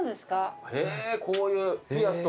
へえこういうピアスとか。